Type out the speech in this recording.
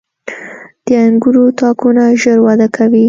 • د انګورو تاکونه ژر وده کوي.